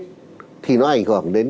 thì nó ảnh hưởng đến các ngân hàng tăng lên